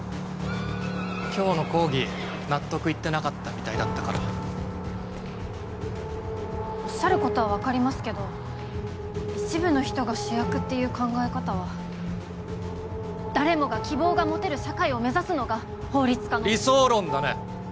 今日の講義納得いってなかったみたいだったからおっしゃることは分かりますけど一部の人が主役っていう考え方は誰もが希望が持てる社会を目指すのが法律家の理想論だね！